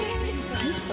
ミスト？